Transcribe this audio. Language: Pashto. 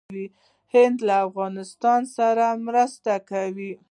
هند له افغانستان سره مرسته کوي.